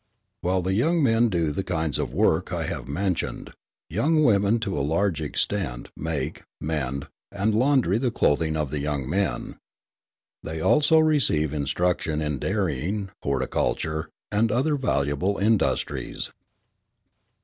While the young men do the kinds of work I have mentioned, young women to a large extent make, mend, and laundry the clothing of the young men. They also receive instruction in dairying, horticulture, and other valuable industries.